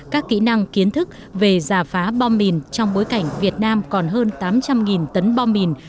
các kỹ năng kiến thức về giả phá bom mìn trong bối cảnh việt nam còn hơn tám trăm linh tấn bom mìn